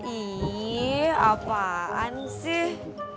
ih apaan sih